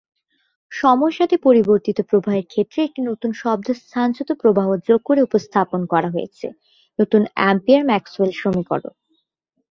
সময়ের সাথে পরিবর্তিত প্রবাহের ক্ষেত্রে একটি নতুন শব্দ স্থানচ্যুত প্রবাহ যোগ করে উপস্থাপন করা হয়েছে নতুন অ্যাম্পিয়ার-ম্যাক্সওয়েল সমীকরণ।